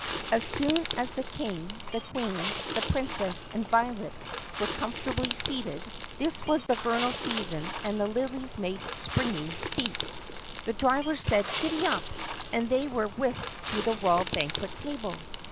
As soon as the King, the Queen, the Princess, and Violet were comfor tably seated (this was the vernal season and the lilies made springy seats) the driver said, "Giddap!" and they were whisked to the royal banquet table.